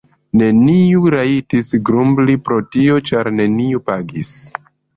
Neniu rajtis grumbli pro tio, ĉar neniu pagis.